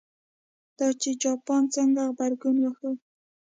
دا چې جاپان څنګه غبرګون وښود.